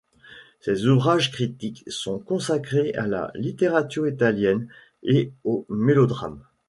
Ses ouvrages critiques sont consacrés à la littérature italienne et au mélodrame.